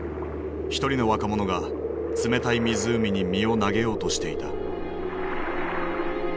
一人の若者が冷たい湖に身を投げようとしていた。